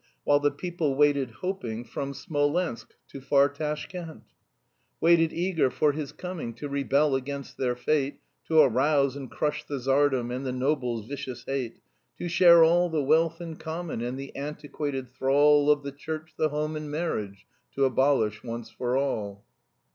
While the people waited hoping From Smolensk to far Tashkent, Waited eager for his coming To rebel against their fate, To arise and crush the Tsardom And the nobles' vicious hate, To share all the wealth in common, And the antiquated thrall Of the church, the home and marriage To abolish once for all."